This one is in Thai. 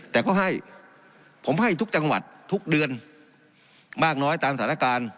แต่ก็ให้ผมให้ทุกจังหวัดทุกเดือนมากน้อยตามสถานการณ์